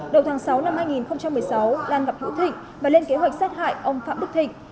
đầu tháng sáu năm hai nghìn một mươi sáu lan gặp hữu thịnh và lên kế hoạch sát hại ông phạm đức thịnh